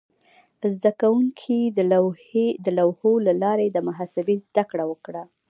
زده کوونکي د لوحو له لارې د محاسبې زده کړه وکړه.